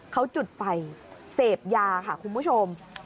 เขาจุดไฟเสพยาค่ะคุณผู้ชม